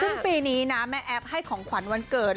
ซึ่งปีนี้นะแม่แอฟให้ของขวัญวันเกิด